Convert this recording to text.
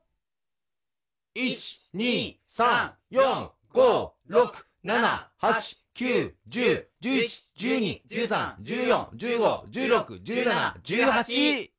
１２３４５６７８９１０１１１２１３１４１５１６１７１８